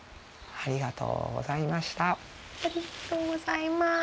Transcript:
ありがとうございます。